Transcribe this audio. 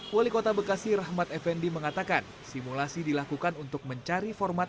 wali kota bekasi rahmat effendi mengatakan simulasi dilakukan untuk mencari format